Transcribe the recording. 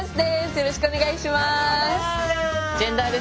よろしくお願いします。